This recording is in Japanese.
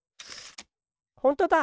ほんとだ！